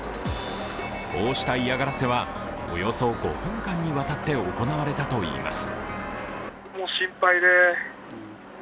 こうした嫌がらせは、およそ５分間にわたって行われたといいます。